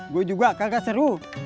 gue juga kagak seru